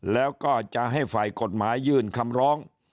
แล้วก็จะให้ฝ่ายกฎหมายยื่นคำร้อง